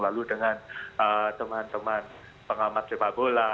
lalu dengan teman teman pengamat sepak bola